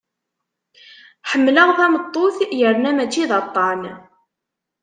Ḥemmleɣ tameṭṭut yerna mačči d aṭṭan.